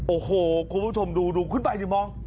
โอ้โหคุณผู้ชมดูขึ้นไปดิมอง